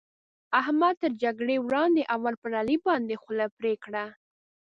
احمد تر جګړې وړاندې؛ اول پر علي باندې خوله پرې کړه.